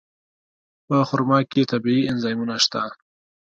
په خرما کې طبیعي انزایمونه شته.